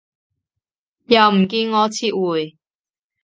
又唔見我撤回